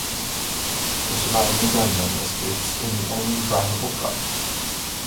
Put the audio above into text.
The surviving gunman escapes in the only drivable truck.